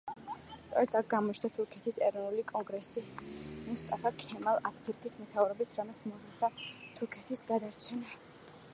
სწორედ აქ გამოჩნდა თურქეთის ეროვნული კონგრესი მუსტაფა ქემალ ათათურქის მეთაურობით, რამაც მოახერხა თურქეთის გადარჩენა.